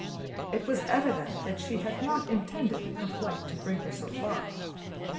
It was evident that she had not intended her flight to bring her so far.